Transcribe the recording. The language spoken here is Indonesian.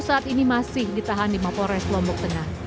saat ini masih ditahan di mapores lombok tengah